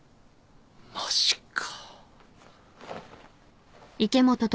マジか。